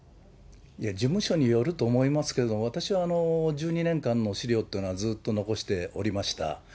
事務所によると思いますけれども、私は１２年間の資料っていうのはずっと残しておりました。